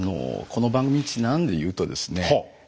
この番組にちなんで言うとですね